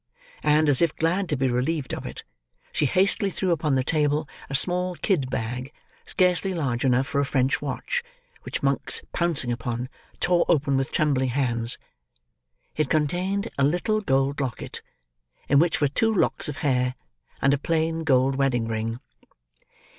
And, as if glad to be relieved of it, she hastily threw upon the table a small kid bag scarcely large enough for a French watch, which Monks pouncing upon, tore open with trembling hands. It contained a little gold locket: in which were two locks of hair, and a plain gold wedding ring.